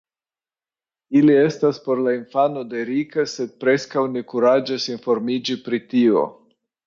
Ili estas por la infano de Rika, sed preskaŭ ne kuraĝas informiĝi pri tio.